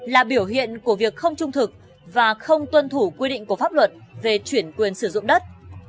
là biểu hiện của việc không trung thực và không tuân thủ quy định của pháp luật về chuyển quyền sử dụng đất